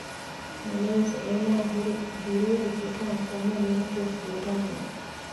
ނަމަވެސް އޭނާ ހުރި ބިރުވެރި ސިފައިން ކޮންމެ މީހަކުވެސް ބިރުގަންނާނެ